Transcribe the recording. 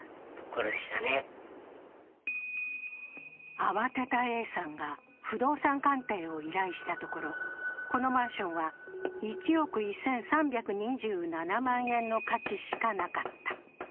慌てたＡさんが不動産鑑定を依頼したところ、このマンションは１億１３２７万円の価値しかなかった。